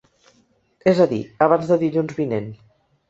És a dir, abans de dilluns vinent.